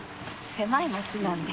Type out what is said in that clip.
狭い町なんで。